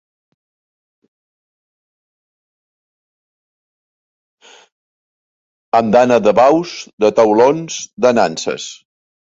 Andana de baus, de taulons, de nanses.